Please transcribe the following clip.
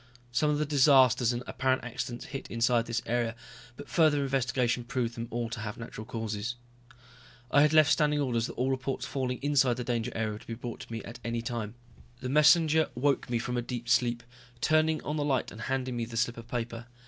Some of the disasters and apparent accidents hit inside this area, but further investigation proved them all to have natural causes. I had left standing orders that all reports falling inside the danger area were to be brought to me at any time. The messenger woke me from a deep sleep, turning on the light and handing me the slip of paper.